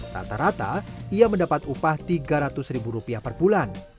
rata rata ia mendapat upah tiga ratus ribu rupiah per bulan